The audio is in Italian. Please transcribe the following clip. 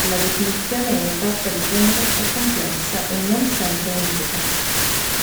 La definizione esatta di genere è complessa e non sempre univoca.